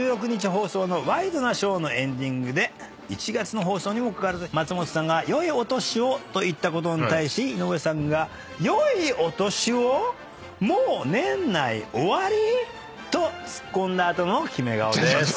放送の『ワイドナショー』のエンディングで１月の放送にもかかわらず松本さんが「よいお年を」と言ったことに対し井上さんが。とツッコんだ後のキメ顔です。